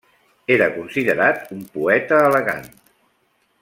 Era considerat un poeta elegant.